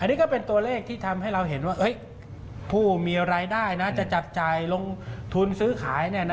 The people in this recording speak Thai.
อันนี้ก็เป็นตัวเลขที่ทำให้เราเห็นว่าผู้มีรายได้จะจับจ่ายลงทุนซื้อขาย